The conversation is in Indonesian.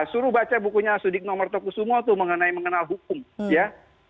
suruh baca bukunya sudik nomor tokusumo itu mengenai mengenal hukum ya